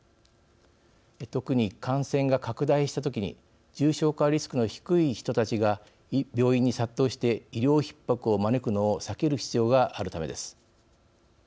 特に感染が拡大した時に重症化リスクの低い人たちが病院に殺到して医療ひっ迫を招くのを避ける必要があるためです。